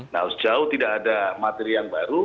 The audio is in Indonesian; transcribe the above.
nah sejauh tidak ada materi yang baru